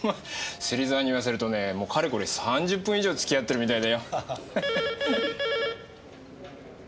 芹沢に言わせるとねもうかれこれ３０分以上付き合ってるみたいだよ。